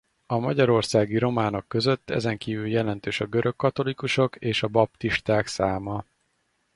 A magyarországi románok között ezen kívül jelentős a görögkatolikusok és a baptisták száma.